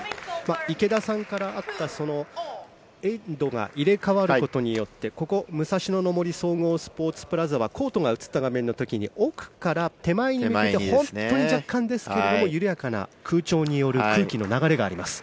池田さんからあったエンドが入れ替わることによってここ、武蔵野の森総合スポーツプラザはコートが映った画面の時に奥から手前に向かって本当に若干ですが緩やかな、空調による空気の流れがあります。